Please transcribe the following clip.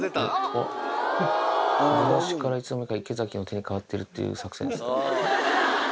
おっ、ブラシからいつの間にか池崎の手に変わってるっていう作戦ですね。